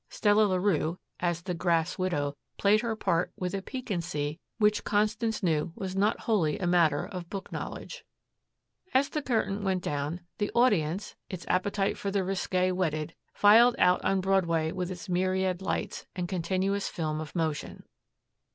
Stella Larue, as the "Grass Widow," played her part with a piquancy which Constance knew was not wholly a matter of book knowledge. As the curtain went down, the audience, its appetite for the risque whetted, filed out on Broadway with its myriad lights and continuous film of motion.